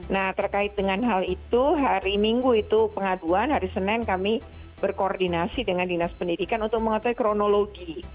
nah terkait dengan hal itu hari minggu itu pengaduan hari senin kami berkoordinasi dengan dinas pendidikan untuk mengetahui kronologi